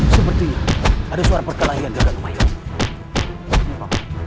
sepertinya ada suara perkelahian di agak kemayang